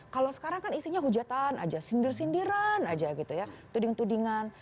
kalau sekarang kan isinya hujatan aja sindir sindiran aja gitu ya tuding tudingan